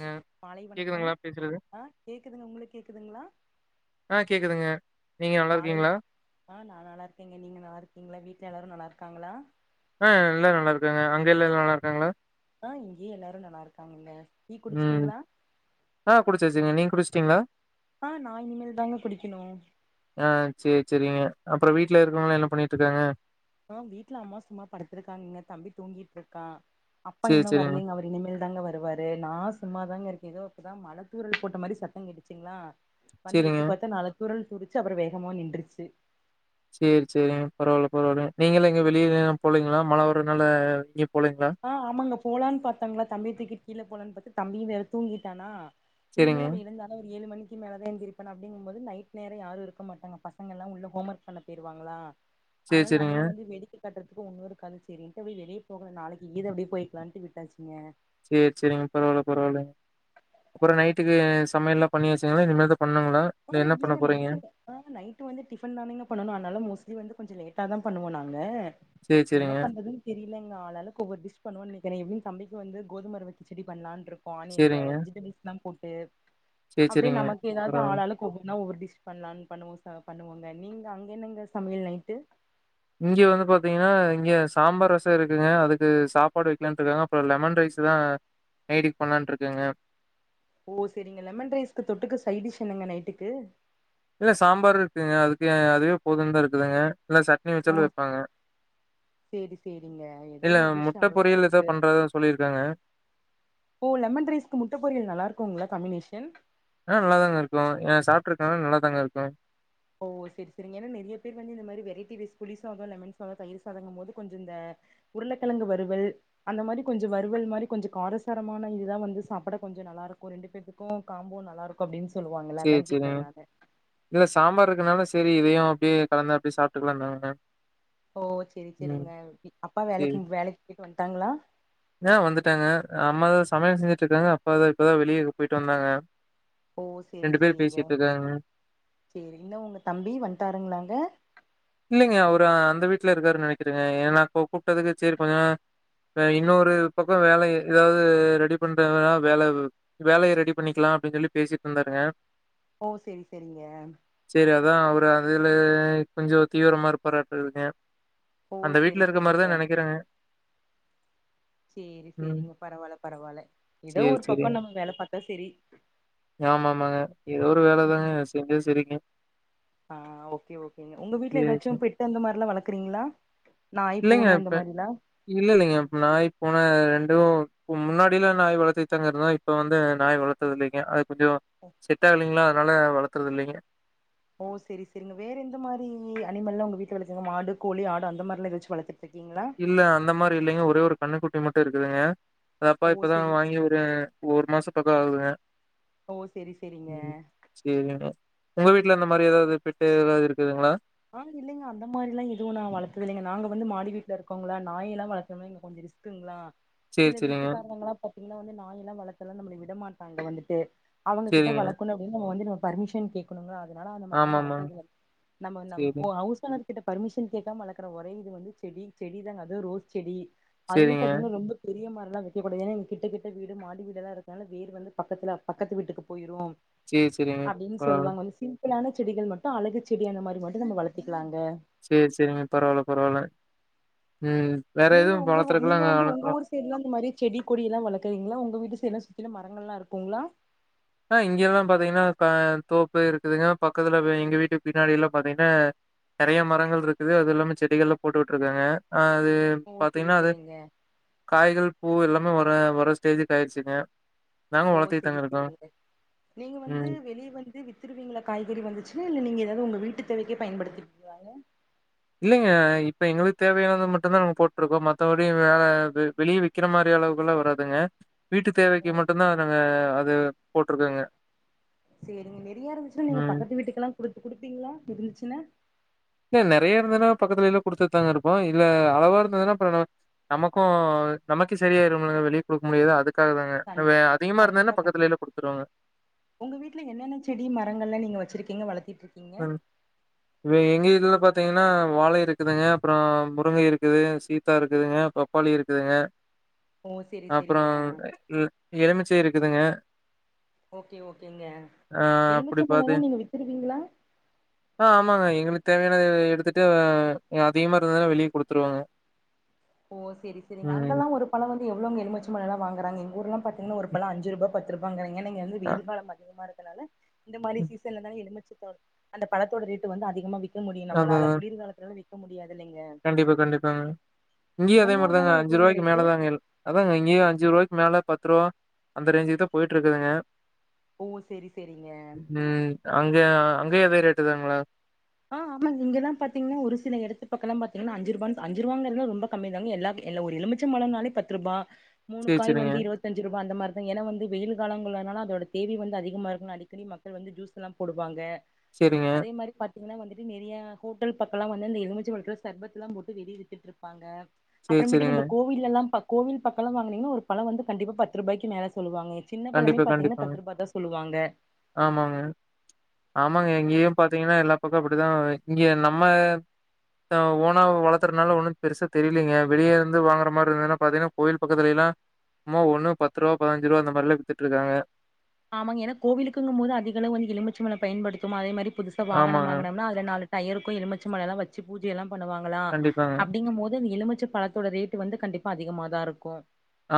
ங்க. மாலை வணக்கம் கேக்குதுங்களா பேசுறது? ஆ கேக்குதுங்க உங்களுக்கு கேக்குதுங்களா ஆ கேட்கதுங்க நீங்க மாலை நல்லாருக்கீங்களா ஆ நா நல்லாருக்கேங்க நீங்க நல்லா இருக்கீங்களா வீட்ல எல்லாரு நல்லாருக்காங்களா ஆ எல்லாரு நல்லா இருக்காங்க அங்க எல்லா நல்லா இருக்காங்களா ஆ இங்கியு எல்லாரு நல்லா இருக்காங்க ம் ஆ குடிச்சாச்சீங்க நீங்க குடிச்சிடீங்களா ஆ நா இனிமேல் தாங்க குடிக்கணு ஆ சேரி சேரிங்க அப்புறோ வீட்டல இருக்கவக்களா என்ன பண்ணிட்டு இருக்காங்க ஆ வீட்ல அம்மா சும்மா படுத்திருக்காங்கங்க தம்பி தூங்கிட்டு இருக்கா அப்பா சேரி, இன்னு சேரிங்க. வரலைங்க அவரு இனிமேல் தாங்க வருவாரு நா சும்மாதாங்க இருக்கே எதோ இப்பதா மழத்தூரல் போட்ட மாரி சத்தம் கிட்டுச்சுங்களா வந்து சேரிங்க. எட்டி பாத்தா நாலு தூரல் போட்ச்சு அப்புறோ வேகமா நின்ருச்சு சேரி சேரி பரவால்ல பரவால்ல நீங்கள எங்க வெளியில போலிங்களா மழ வரதுனால எங்கியு போலீங்களா ஆ ஆமாங்க போலான்னு பாத்தங்களா தம்பியதூக்கிட்டு கீழ போலான்னு பாத்த தம்பியு வேற தூங்கிட்டானா இனிமே சேரிங்க. அவ எழுந்தாதா ஒரு ஏழு மணி மேலதா எந்திரிருப்பா அப்டிங்கம்போது நைட் நேரோ யாரு இருக்க மாட்டாங்க பசங்கல்லா உள்ள ஹோம் ஒர்க் பண்ண போயிருவாங்களா சேரி, ஆனாலு சேரிங்க. நம்ளு வந்து வேடிக்க காட்டுறதுக்கு ஒன்னு இருக்காது சேரின்டு வெளிய போகல நாளைக் [unintelligible] அப்டி போயிக்கலான்டு விட்டாச்சிங்க சேரி சேரிங்க பரவால்ல பரவால்ல அப்றோ நைட்டுக்கு சமயல்லா பண்ணியாசுங்களா இனிமேதா பண்ணணுங்களா ஆ இல்லங்க நைட்டு ஆ நைட்டு வந்து டிஃபன் தானுங்க பண்ணனு அதனால மோஸ்ட்லி வந்து கொஞ்சோ லேட்டா தா பண்ணுவோ நாங்க சேரி, என்ன சேரிங்க. பண்றது தெரியலைங்க ஆளாளுக்கு ஒவ்வொரு டிஷ் பண்ணுவோனு நனைக்கிறே எப்பிடியு தம்பிக்கு வந்து கோதும ரவ கிச்சடி பண்லான் இருக் [unintelligible] இந்த சேரிங்க. வெஜிடபிள்ஸ் லா போட்டு சேரி, அப்டியே சேரிங்க. நமக்கு ஏதாவது பரவால்ல. ஆளாளுக் ஒவ்வொன்னா ஒவ்வொரு டிஷ் பண்லானு பண்ணுவோச பண்ணுவோங்க நீங்க அங்க என்னங்க சமையல் நைட்டு இங்க வந்து பாத்தீங்கனா இங்க சாம்பார் ரசம் இருக்குங்க அதுக்கு சாப்பாடு வைக்கலா இருக்காங்க அப்புறோ லெமன் ரைஸ் தா நைட்டுக்கு பண்ணலான் இருக்கங்க ஓ சேரிங்க லெமன் ரைஸ்க்கு தொட்டுக்க சைடிஷ் என்னங்க நைட்டுக்கு இல்ல சாம்பாரு இருக்குங்க அதுக்கு அதுவே போதும் தா இருக்குதுங்க இல்ல சட்னி ஓ வைச்சாலு வைப்பாங்க சேரி சேரிங்க ஏதோ இல்ல ஒரு டிஷ் முட்ட அவ்ளோதா பொரியல் எதோ நமக்கு பண்றதா சொல்லியிருக்காங்க ஓ லெமன் ரைஸ்க்கு முட்ட பொரியல் நல்லா இருக்குங்களா காமினேஷன் ஆ நல்லாதாங்க இருக்கு ஏன் சாப்ட்டு இருக்கேன் நல்லாதாங்க இருக்கு ஓ சரி சரி ஏனா நெறைய பேர் வந்து இந்த மாரி வெரைட்டி ரைஸ் புளி சாதோ லெமன் சாதோ தயிர் சாதங்கும்போது கொஞ்சம் இந்த உருளக்கிழங்கு வறுவல் அந்த மாரி கொஞ்சோ வறுவல் மாரி கொஞ்சோ காரசாரமான இதுதா வந்து சாப்பிட கொஞ்சோ நல்லா இருக்கு ரெண்டு பேத்துக்கு காம்போ நல்லா இருக்கு அப்டின்னு சொல்லுவாங்கள்ல அதா சரி, கேக்குற சரிங்க. நானு இல்ல சாம்பார் இருக்குனால சேரி இதயும் அப்டியே கலந்து அப்டியே சாப்ட்டுக்கலாந்தாங்க ஓ சேரி சேரிங்க அப்பா சரி. வேலைக்கு வேலைக்கு பேயிட்டு வந்துட்டாங்களா ஆ வந்துட்டாங்க அம்மா தா சமயல் செஞ்சுட்டு இருக்காங்க அப்பாதா இப்பதா வெளிய போயிட்டு வந்தாங்க ஓ ரெண்டு பேர் பேசிட்ருக்காங்க சேரி இல்ல உங்க தம்பி வன்டாருங்களாங்க இல்லைங்க அவரு அந்த வீட்ல இருக்காருன்னு நெனைக்குறேங்க ஏன்னா கூப்டதுக்கு சேரி கொஞ்ச நேர த இன்னொரு பக்கோ வேல ஏதாவது ரெடி பண்றாங்கனா வேல வேலைய ரெடி பண்ணிக்கலா அப்டின்னு சொல்லி பேசிட்ருந்தாருங்க ஓ சரி சரிங்க சேரி அதான் அவரு அதுல கொஞ்சோ தீவிரமா இருப்பாராட்டோ இருங்க ஓ அந்த செரி வீட்ல இருக்க செரிங்க மாரிதா நெனைக்கிற சேரி ம். சேரிங்க பரவால்ல பரவால்ல ஏதோ ஒரு பக்கோ நம்ம வேல பாத்தா செரி ஆமா ஆமாங்க ஏதோ ஒரு வேலதாங்க ம் செஞ்சா சரிங்க ஆ ஓகே ஓகே ஏங்க உங்க வீட்டுல சரி, ஏதாச்சு சரி. பெட்டு அந்த மாரில்லா வளக்குறீங்களா நாய் இல்லைங்க பூனை அந்த இப்ப மாரிலா இல்ல இல்லங்க நாய் பூன ரெண்டும் முன்னாடில்லா நாய் வளத்திட்டுதாங்க இருந்தோ இப்ப வந்து நாய் வளக் க்கறதில்லைங்க அது கொஞ்சோ செட் ஆகலைங்களா அதனால வளக்குறது இல்லைங்க ஓ சேரி சேரிங்க வேறு எந்த மாரி அனிமல்லா உங்க வீட்டுல வளக்குறீங்க மாடு கோழி ஆடு அந்த மாதிரிலா ஏதாச்சு வளத்துட்டுருக்கீங்களா இல்ல அந்த மாரி இல்லைங்க ஒரே ஒரு கண்ணுக்குட்டி மட்டும் இருக்குதுங்க அத அப்பா ஓ இப்பதா செரி வாங்கி விட்ருக்காங்க ஒரு மாசோ பக்க ஆகுதுங்க ஓ செரி செரிங்க சேரிங்க மேடம் உங்க வீட்டுல அந்த மாரி ஏதாவது பெட்டு ஏதாவது இருக்குதுங்களா ஆ இல்லைங்க அந்த மாரிலா எதுவு நாங்க வளத்தது இல்லைங்க நாங்க வந்து மாடி வீட்டுல இருக்கோங்களா நாயெல்லா வளத்தோன்னா இங்க கொஞ்சோ ரிஸ்க் க்குங்களா சரி, சில சரிங்க. வீட்டுக்காரங்களா பாத்தீங்கனா வந்து நாயெல்லா வளத்தலா நம்மள விட மாட்டாங்க வந்துட்டு அவுங்ககிட்ட சரிங்க. வள க்கனு அப்டினா நம்ம வந்து நம்ம பர்மிஷன் கேக்கனுங்களா அதனால அந்த மாரிலா ஆமாமா. வளத்ததில்ல நம்ம சரி. நம்ம ஹவுஸ் ஓனர் கிட்ட பர்மிஷன் கேக்காம வளக்குற ஒரே இது வந்து செடி செடி தாங்க அதுவு ரோஸ் செடி அதுமே சரிங்க. பாத்தீங்கன்னா ரொம்ப பெரிய மரோல்லா வைக்கக்கூடாது ஏன்னா இங்க கிட்ட கிட்ட வீடு மாடி வீடெல்லா இருக்கனால வேர் வந்து பக்கத்துல பக்கத்து வீட்டுக்கு போயிரோ சரி, சரிங்க. அப்டின்னு பரவால்ல. சொல்லுவாங்க வந்து சிம்பிளான செடிகள் மட்டும் அழகு செடி அந்த மாரி மட்டு நம்ம வளத்திக்கிலாங்க சேரி செரிங்க பரவால்ல பரவால்ல ம் வேற எதுவு வளத்துறதுக்லா தெர்லா இந்த மாரி செடி கொடில்லா வளக்குறீங்களா உங்க வீட்டு சைட்லா சுத்திலு மரங்கல்லா இருக்குங்களா ஆ இங்க எல்லா பாத்தீங்கனா அ தோப்பு இருக்குதுங்க பக்கத்துல எங்க வீட்டு பின்னாடி எல்லா பாத்தீங்கன்னா நெறைய மரங்கள் இருக்குது அது இல்லாம செடிகள்லா போட்டு விட்டுருக்காங்க அ அது ஓ செரி பாத்தீங்கன்னா அது செரிங்க காய்கள் பூ எல்லாமே வர வர ஸ்டேஜுக்கு ஆயிடுச்சுங்க நாங்க ஓ செரி வளத்திட்தாங்க இருக்கோ செரிங்க நீங்க வந்து வெளிய வந்து வித்துருவீங்களா காய்கறி வந்துச்சுன்னா இல்ல நீங்க ஏதாவது உங்க வீட்டு தேவைக்கே பயன்படுத்தி யாரு இல்லைங்க இப்ப எங்களுக்கு தேவையானது மட்டுந்தா நாங்க போட்ருக்கோ மத்தபடி வேற வெளிய விக் விக்கிற மாரி அளவுக்குளா வராதுங்க வீட்டு ஓ தேவைக்கு மட்டுந்தா நாங்க அத சேரிங்க நெறைய இருந்துச்சுன்னா நீங்க ம். பக்கத்து வீட்டுக்கெல்லா குடுத்து குடுப்பீங்களா இருந்துச்சுன்னா இல்ல நெறைய இருந்துன்னா பக்கத்துலலா குடுத்துட்டுதாங்க இருப்போ இல்ல அளவா இருந்ததுன்னா அப்பனா நமக்கு நமக்கே சரியாயிருமல்லங்க வெளிய குடுக்க முடியாது அதுக்கு அதா கண்டி அதாங்க அதிகமா கண்டிப்பா இருந்துதுன்னா பக்கத்துல கண்டிப் எல்லா குடுத்துருவங்க உங்க வீட்ல என்னென்ன செடி மரங்கள்லா நீங்க வெச்சிருக்கீங்க வளத்திட்டு இருக் [unintelligible] இப்ப எங்க இதுல பாத்தீங்கன்னா வாழை இருக்குதுங்க அப்றோ முருங்கை இருக்குது சீதா இருக்குதுங்க பப் பப்பாளி இருக்குதுங்க ஓ செரி அப்புறோ செரிங்க எலுமிச்சை இருக்குதுங்க ஓகே ஓகேங்க ஆ அப்படி எலுமிச்ச பாத்து பழமெல்லா நீங்க வித்துருவீங்களா ஆ ஆமாங்க எங்களுக்கு தேவையான எடுத்துட்டு அதிகமா இருந்தன்னா வெளியே குடுத்துருவாங்க ஓ செரி செரிங்க அங்கல்லா ஒரு பழோ வந்து எவ்ளோங்க எலுமிச்ச பழோலா வாங்கறங்க எங்க ஊர்ல பாத்தீங்கன்னா ஒரு பழோ அஞ்சு ரூபா பத்து ரூபாயாங்கிறீங்கன்ன நீங்க வந்து அ வெயில் காலம் அதிகமா இருனால இந்த மாரி ம். சீசன்ல தாங்க எலுமிச்ச ப அந்த பழத்தோட ரேட்டு வந்து அதிகமா விக்க முடியு அதான். நம்மளால அதான். குளிர்காலத்துலால விக்க முடியாது இல்லிங்க கண்டிப்பா கண்டிப்பாங்க இங்கயு அதே மாரி தாங்க ஊர்லலா அஞ்சு எவ்ளோங்க ரூபாய்க்கு ரேட்டு மேல தாங்க அதாங்க இங்கேயு அஞ்சு ரூபாய்க்கு மேல பத்து ரூபா அந்த ரேஞ்சுக்குதா போயிட்டு இருக்குதுங்க ஓ செரி செரிங்க ம். அங்க அங்க அதே ரேட்டு தாங்களா ஆ ஆமாங்க இங்கெல்லா பாத்தீங்கன்னா ஒரு சில இத்து பக்கல்லா பாத்தீங்கன்னா அஞ்சு ரூபான் அஞ்சு ரூபாங்கிறது எல்லா ரொம்ப கம்மி தாங்க எல்லா ஒரு எலுமிச்ச பழனாலே பத்து ரூபா மூணு சரி, காய் சரிங்க. வந்து இருபத்தி அஞ்சு ரூபா அந்த மாரிதா ஏன்னா வெயில் காலங்களால அதோட தேவை வந்து அதிகமா இருக்கு அடிக்கடி மக்க கள் வந்து ஜூஸ் எல்லா போடுவாங்க சரிங்க. அதே மாரி இல்லன்னா வந்துட்டு நிறையா ஹோட்டல் பக்கல்லா வந்து அந்த எலுமிச்ச பழத்துல சர்பத்து எல்லா போட்டு வெளியே வித்துட்டு இருப்பாங்க சரி, அப்றோ மேட்டீக்கு சரிங்க. இந்த கோவில் எல்லா கோவில் பக்கோ வாங்கனீன்னா ஒரு பழம் வந்து கண்டிப்பா பத்து ரூபாய்க்கு மேல சொல்லுவாங்க சின்ன பழமே கண்டிப்பா பாத்தீங்கன்னா கண்டிப்பாங் பத்து ரூபா தா சொல்லுவாங்க ஆமாங்க ஆமாங்க இங்கயு ம் பா த்தீங்கன்னா எல்லா பக்க அப்பிடிதா இங்க நம்ம ஓனா வளத்துறதுனால ஒன்னு பெருசா தெரிலீங்க வெளியே இருந்து வாங்குற மாரி இருதுன்னா பாத்தீங்கன்னா கோயில் பக்கத்துல எல்லா சும்மா ஒண்ண பத்து ரூபா பதினஞ்சு ரூபா அந்த மாரிலா வித்துட்டு இருக்காங்க ஆமாங்க ஏன்னா கோவிலுக்குங்க போது அதிகளவுந்து எலுமிச்ச பழோ பயன்படுத்துவேமா அதே மாரி புதுசா வாகனம் ஆமாங்க வாங்கனம்னா அதுல நாலு டயக்கு எலுமிச்ச பழ எல்லா வெச்சு பூஜையெல்லா பண்ணுவாங்களா கண்டிப்பாங்க அப்டிங்கும் போது அந்த எலுமிச்ச பழத் தோட ரேட்டு் வந்து கண்டிப்பா அதிகமா தா இருக்கு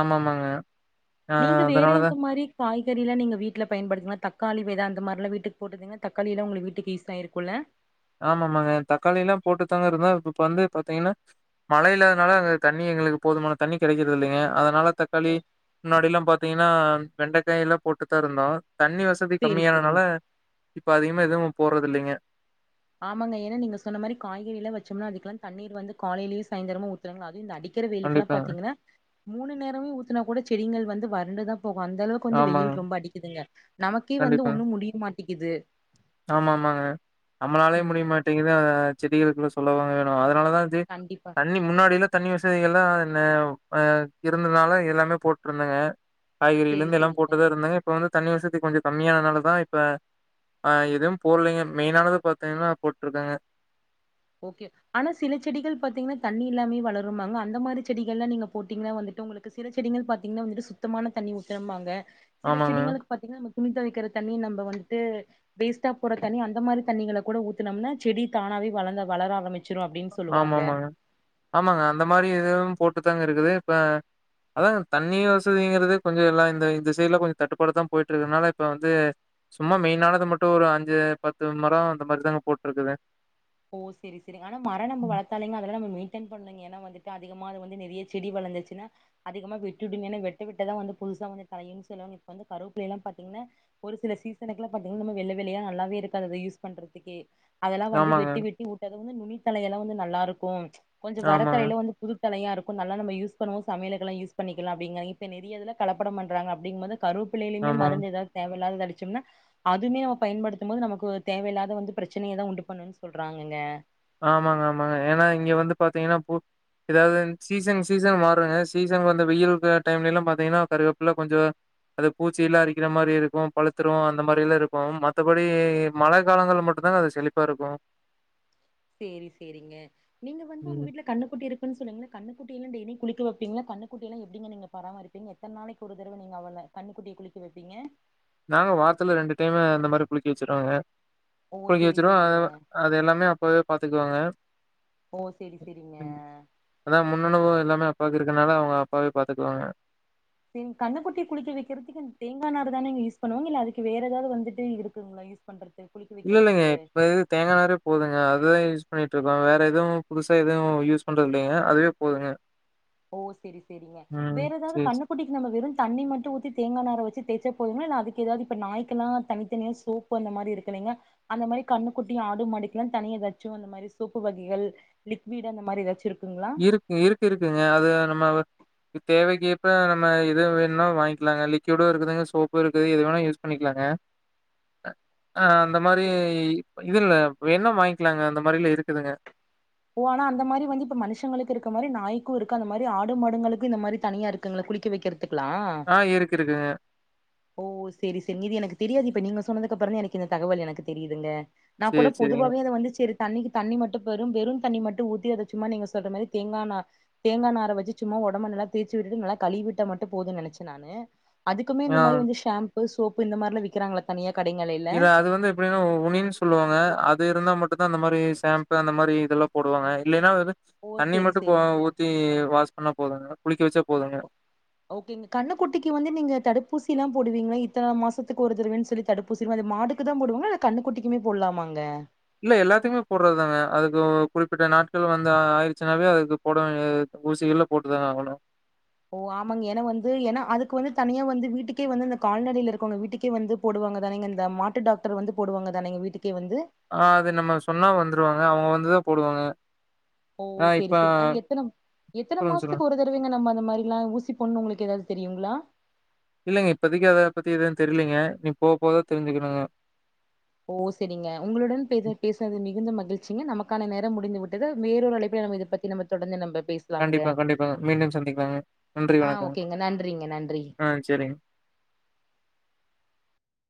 ஆமாமாங்க ஆ நீங்க வேற அதனாலதா எந்த மாரி காய் கறி எல்லா நீங்க வீட்ல பயன்படித்த தக்காளி வெத அந்த மாரி எல்லா வீட்டுக்கு போட்டுருதிங்கன்னா தக்காளி எல்லா உங்க வீட்டுக்கு யூஸ் ஆயிருக்குல்ல ஆமா ஆமாங்க தக்காளி எல்லா போட்டு தாங்க இருந்தோ இப்ப வந்து பாத்தீங்கன்னா மழை இல்லாததுனால அங்க தண்ணி எங்களுக்கு போதுமான தண்ணி கெடைக்கிறது இல்லிங்க அதனால ஓ தக்காளி முன்னாடி எல்லா பாத்தீங்கன்னா வெண்டைக்காய் எல்லா போட்டு இருந்தோ தண்ணி வச வசதி சேரி சேரிங்க கம்மியானனால இப்ப அதிகமா எதுவு போட்றது இல்லிங்க ஆமாங்க ஏன்னா நீங்க சொன்ன மாரி காய்கறி எல்லா வெச்சோம்னா அதுக்கெல்லா தண்ணீர் வந்து காலையிலயு சாயந்தரமு ஊத்தனுங்களா அது இந்த அடி க்கிற வெயிலுக்கெல்லா கண்டிப்பாங்க பாத்தீங்கன்னா மூணு நேரமே ஊத்தினா கூட செடிகள் வந்து வறண்டுதா போகு அந்த அளவு வந்து வெயில் ஆமாங்க ரொம்ப அடிக்குதுங்க நமக்கே வந்து ஒண்ணு முடிய மாட்டேக்குது ஆமா ஆமாங்க நம்மளாலே முடிய ம் மாட்டேங்குது அத செடிகளுக்குள்ள சொல்லவாங்க வேணு அதனால தா கண்டிப்பா தண்ணி முன்னாடி எல்லா தண்ணி வசதிகள் எல்லா நெ இருந்தனால எல்லாமே போட்டு இருந்தேங்க காய்கறில சேரி இருந்து எல்லாம் சேரிங்க போட்டுதான் இருந்தாங்க இப்ப வந்து தண்ணி வசதி கொஞ்சொ கம்மியானனால தா இப்ப ஆ எதும் போல்லீங்க மெயினானத பாத்தீங்கன்னா போட்ருக்கங்க ஓகே ஆனா சில செடிகள் பாத்தீங்ன்னா தண்ணி இல்லாமே வளருமாங்க அந்த மாரி செடிகள்ல்லா நீங்க போட்டீங்ன்னா வந்துட்டு உங்களுக்கு க்கு சில செடிகள் பாத்தீங்ன்னா வந்துட்டு சுத்தமான தண்ணி ஊத்தனும்பாங்க சில ஆமாங்க செடிங்களுக்கு பாத்தீங்கன்னா நம்ம துணி தொவைக்கிற தண்ணி நம்ப வந்துட்டு வேஸ்டா போற தண்ணிஅந்த மாதிரி தண்ணிங்கள கூட ஊத்துனம்னா செடி தானாவே வளந்த வளர ஆரம்பிச்சி ஆம்மா ம்மாங்க ஆமாங்க அந்த மாரி எதுவும் போட்டு தாங்க இருக்குது இப்ப அதாங்க தண்ணி வசதிங்கிறது கொஞ்சோ எல்லா இந்த சைடுல கொஞ்சோ தட்டுப்பாடாத்தான் போயிட்டு இருக்கிறதுனால இப்ப வந்து சும்மா மெயின் ஆனது மட்டு ஒரு அஞ்சு பத்து மரோ அந்த மாரிதாங்க போட்ருக்குது ஓ சேரி சேரி ஆனா மரொ நம்ம ம் வளத்தாலேங்க அதல்லா நம்ம மெயின்டேன் பண்ணுங்க ஏன்னா வந்துட்டு ட்டு அதிகமா அது வந்து நெறைய செடி வளந்துருச்சுன்னா அதிகமா விட்டுடுமேன்னா வெட்ட வெட்டாதா வந்து புதுசா வந்து தழையும்னு சொல்லுவாங்க இப்ப வந்து கருப்வப்பிள்ளைய எல்லாம் பாத்தீங்கன்னா ஒரு சில சீசனுக்குல்லா பாத்தீங்கன்னா நம்ம வெள்ள வெள்ளயா நல்லாவே இருக்காது அதை யூஸ் பண்றதுக்கே அதெல்லா வந்து ஆமாங்க வெட்டி வெட்டி உட்டது வந்து நுனித்தலைய எல்லா வந்து நல்லா இருக்கூ கொஞ்சொ ஆமாங்க வரத்தலையில வந்து புது தளையா இருக்கும் நல்லா நம்ம யூஸ் பண்ணவு சமயலுகுலாம் யூஸ் பண்ணிக்கலா அப்டிங்கிறாங்க இப்ப நெறையதுல கலப்படம் பண்றாங்க அப்டிங்கும்போது கருவப்பிள்ளையிலேயுமே ஆமாங்க மருந்தேதாவ்து தேவையில்லாதத அடிச்சம்னா அதுமே நம்ம பயன்படுத்தும் போது நமக்கு தேவையில்லாத வந்து பிரச்சனையதா உண்டு பண்ணு சொல்றாங்கங்க ஆமாங்க ஆமாங்க ஏன்னா இங்க வந்து பாத்தீங்கன்னா பூ எதாவ்து சீசன் சீசன் மாறுங்க சீசனுக்கு வந்து வெயிலுக்கு டைம்ல எல்லாம் பாத்தீங்கன்னா கருவேப்பில கொஞ்சோ அது பூச்சில்லா அரிக்கிற மாரி இருக்கூ பழுத்துடும் அந்த மாரில்லா இருக்கூ மத்தபடி மழை காலங்கள் மட் அப்பதாங்க அது செலிப்பா இருக்கும் சேரி சேரிங்க நீங்க வந்து உங்க ம். வீட்ல கண்ணு குட்டி இருக்குன்னு சொன்னீங்கள கண்ணுக்குட்டியலா டெய்லியு குளிக்க வெப்பிங்ளா கண்ணுக்குட்டியலா எப்டிங்க நீங்க பராமறிப் பீங்க எத்தன் நாளைக்கு ஒரு தடவ நீங்க அவள கண்ணுக்குட்டிய குளிக்க வெப்பீங்க நாங்க வாரத்தில ரெண்டு டைமு அந்த மாரி குளிக்கி வச்சுருவோங்க ஓ குளிக்கி சேரி வச்சுருவோ சேரிங்க. அதே அது எல்லாமே அப்பாவே பாத்துக்குவாங்க ஓ செரி செரிங்க அதா முன்னணுபவோ எல்லாமே அப்பாக்கு இருக்கனால அவுங்க அப்பாவே பாத்துக்குவாங்க ன் கண்ணுக்குட்டிய குளிக்க வைக்கிறதுக்கு இந்த தேங்கா நாறு தானுங்க யூஸ் பண்ணுவாங்க இல்ல அதுக்கு வேறு எதாவ்து வந்துட்டு இருக்குங்ளா யூஸ் பண்றதுக்கு குளிக்க இல்ல வைக்கிறதுக்கு? இல்லங்க இப்ப இது தேங்கா நாறு போதுங்க அதுதா யூஸ் பண்ணிகிட்ருக்கோ வேற எதுவு புதுசா எதுவு யூஸ் பண்றது இல்லங்க அதுவே போதுங்க ஓ செரி சேரிங்க ம். வேற எதாவ்து சரி, சரி. கண்ணுக் குட்டிக்கி நம்ம வெறுந் தண்ணி மட்டு ஊத்தி தேங்கா நாற வச்சி தேச்சா போதுங்ளா இல்ல அதுக்கு எதாவ்து இப்ப நாய்கல்லா தனித்தனியா சோப் ப்பு அந்த மாரி இருக்குலீங்லா அந்த மாரி கண்ணுக்குட்டி ஆடு மாடுக்கெல்லா தனி எதாச்சும் அந்த மாதிரி சோப்பு வகைகள் லிக்விடு அந்த மாரி எதாச்சு இருக்குங்ளா இருக்கு இருக்கு இருக்குங்க அது நம்ம தேவைக்கேற்ப்ப நம்ம எது வேணா வாங்கிக்லாங்க லிக்விடு இருக்குதுங்க சோப்பு இருக்குது எது வேணா யூஸ் பண்ணிக்லாங்க அ அந்த மாரி சரி. இது இல்ல வேன்னா வாங்க்லாங்க அந்த மாரிலா இருக்குதுங்க ஓ ஆனா அந்த மாரி வந்து இப்ப மனுஷங்களுக்கு இருக்க மாரி நாய்கூ இருக்கு அந்த மாரி ஆடு மாடுங்களுக்கு இந்த மாரி தனியா இருக்குங்களா குளிக்க வைக்கிறது த்துக்லா ஆ இருக்கு இருக்குங்க ஓ சரி சரி நீது எனக்கு தெரியாது இப்ப நீங்க சொன்னது அப்றோ தா எனக்கு இந்த தகவல் எனக்கு தெரியுதுங்க நா கூட சரி, சரிங்க. பொதுவாவே அத வந்து சேரி தண்ணிக்கு தண்ணி மட்டு பெறும் வெறும் தண்ணி மட்டும் ஊத்தி அத சும்மா நீங்க சொல்ற மாரி தேங்கானா தேங்கா நார வெச்சு சும்மா உடம்பு நல்லா தேச்சு விட்டு நல்லா கழுவிட்டா மட்டு போதுனு நெனைச்சே நானு அதுக்குமே ஆ இந்த மாரி வந்து ஷாம்பு சோப்பு இந்த மாரிலா விக்கிறாங்களா தனிய கடைகளில இல்ல அது வந்து எப்டினா ஒ மீன் சொல்லுவாங்க அது இருந்தா மட்டும் தா அந்த மாரி சேம்பு அந்த மாரி இதெல்லா போடுவாங்க இல்லின்னா ஓ தண்ணி செரி மட்டு போ செரிங்க ஊத்தி வாஷ் பண்ணா போதுங்க குளிக்க வெச்சா போதுங்க ஓகேங்க கண்ணுக்குட்டிக்கு வந்து நீங்க தடுப்பூசில்லா போடுவீங்களா இத்தன மாசத்துக்கு ஒரு தடவன்னு சொல்லி தடுப் பூசி மாடுக்கு தா போடுவாங்களா இல்ல கண்ணு குட்டிக்குமே போட்லாமாங்க இல்ல எல்லாத்துக்குமே போடுறதுதாங்க அதுக்கு குறிப்பிட்ட நாட்கள் வந்து ஆயிடுச்சுனாவே அதுக்கு போடவேண்டியது ஊசியெல்லா போட்டுதாங்க ஆகனு ஓ ஆமாங்க ஏனா வந்து ஏனா அதுக் வந்து தனியா வந்து வீட்டுக்கே வந்து அந்த கால்நடைல இருக்கவங்க வீட்டுக்கே வந்து போடுவாங்க தானேங்க இந்த மாட்டு டாக்டர் வந்து போடுவாங்க தானேங்க வீட்டுக்கே வந்து ஆ அது நம்ம சொன்னா வந்துருவாங்க அவுங்க வந்துதா போடுவாங்க ஓ ஆ இப்ப சேரி சேரிங்க அது எத்தன எத்தன சொல்லுங்க, சொல்லுங்க. மாசத்துக்கு ஒரு த டவங்க நம்ம அந்த மாதிரல்லா ஊசி போடுன்ணு உங்ளுக்கு ஏதாவ்து தெரியுங்ளா இல்லைங்க இப்பதைக் அத பத்தி ஏது தெர்லைங்க இனி போக போதா தெரிஞ்சுக்கணுங்க ஓ சரிங்க உங்களுடன் பேச பேசுனது மிகுந்த மகிழ்ச்சிங்க நமக்கான நேரம் முடிந்து விட்டது வேறொரு அழைப்பழ நம்ம இத பத்தி நம்ம தொடர்ந்து நம்ப பேசலாம்ங்க கண்டிப்பா, கண்டிப்பாங்க. மீண்டும் சந்திக்கலாங்க. நன்றி, ஆஹ வணக்கங்க. ஓகேங்க நன்றிங்க நன்றி ஆ சரிங்க.